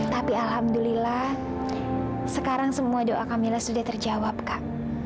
tapi alhamdulillah sekarang semua doa kamila sudah terjawab kak